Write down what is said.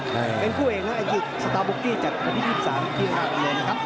เป็นคู่เอกเนอะไอ้กิ๊ดสตาร์บุ๊กตี้จัดวันที่๒๓ที่ห้ามเงินนะครับ